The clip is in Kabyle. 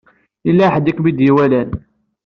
Yellla ḥedd i kem-id-iwalan.